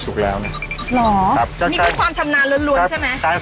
ถ่านอะอยู่ตรงกลาง